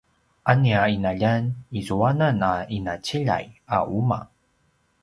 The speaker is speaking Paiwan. a nia ’inaljan izuanan a ’inaciljay a uma’